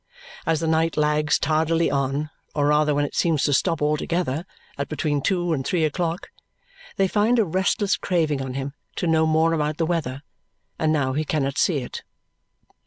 As the night lags tardily on or rather when it seems to stop altogether, at between two and three o'clock they find a restless craving on him to know more about the weather, now he cannot see it.